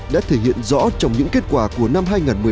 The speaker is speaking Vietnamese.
đã thể hiện rõ trong những kết quả của năm hai nghìn một mươi tám